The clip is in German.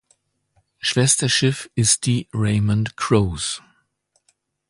Schwesterschiff ist die "Raymond Croze".